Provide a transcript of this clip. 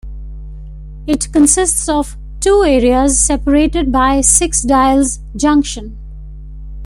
It consists of two areas separated by Six Dials junction.